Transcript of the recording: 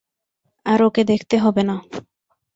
আর ওকে দেখতে হবে না।